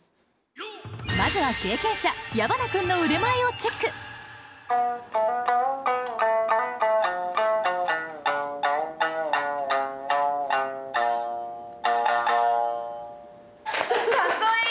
まずは経験者矢花君の腕前をチェックかっこいい！